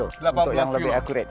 untuk yang lebih akurat